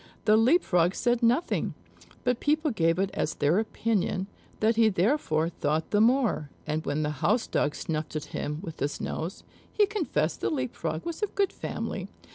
The Leap frog said nothing; but people gave it as their opinion, that he therefore thought the more; and when the housedog snuffed at him with his nose, he confessed the Leap frog was of good family.